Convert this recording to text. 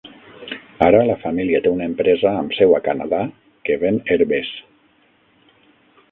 Ara la família té una empresa amb seu a Canadà que ven herbes.